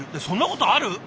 そんなことある？